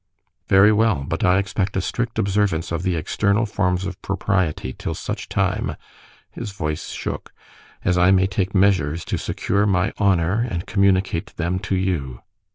"Very well! But I expect a strict observance of the external forms of propriety till such time"—his voice shook—"as I may take measures to secure my honor and communicate them to you."